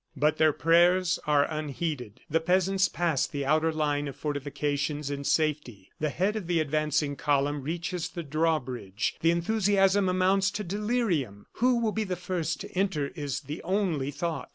But their prayers are unheeded. The peasants pass the outer line of fortifications in safety. The head of the advancing column reaches the drawbridge. The enthusiasm amounts to delirium; who will be the first to enter is the only thought.